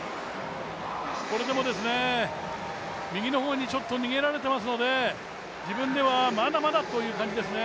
これ、右の方にちょっと逃げられていますので、自分ではまだまだという感じですね。